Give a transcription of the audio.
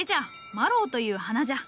マロウという花じゃ。